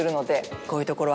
こういうところは。